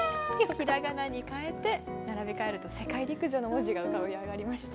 ひらがなに変えて並び替えると世界陸上の文字が浮かび上がりました。